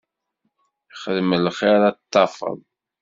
Xdem lxir ad t-tafeḍ.